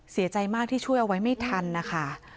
เสียใจมากที่ช่วยเอาไว้ไม่ทันนะคะ